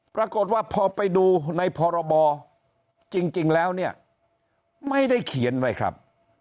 ปรากฏว่าพอไปดูในพรบจริงแล้วเนี่ยไม่ได้เขียนไว้ครับ